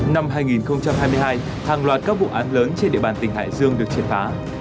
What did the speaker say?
năm hai nghìn hai mươi hai hàng loạt các vụ án lớn trên địa bàn tỉnh hải dương được triệt phá